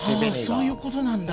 あそういうことなんだ。